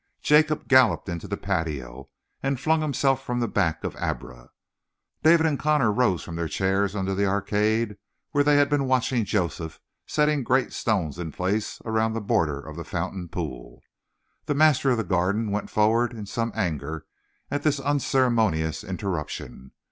Jacob galloped into the patio, and flung himself from the back of Abra. David and Connor rose from their chairs under the arcade where they had been watching Joseph setting great stones in place around the border of the fountain pool. The master of the Garden went forward in some anger at this unceremonious interruption.